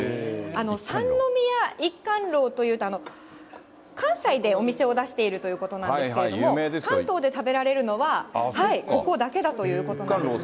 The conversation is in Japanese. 三宮一貫楼というと、関西でお店を出しているということなんですけれども、関東で食べられるのはここだけだということなんですね。